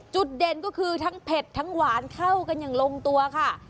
จุดเด่นก็คือทั้งเผ็ดทั้งหวานเข้ากันอย่างลงตัวค่ะ